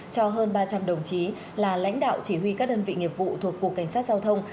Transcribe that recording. cho hơn ba trăm linh đồng chí là lãnh đạo chỉ huy các đơn vị nghiệp vụ thuộc cục cảnh sát giao thông